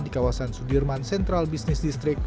di kawasan sudirman central business district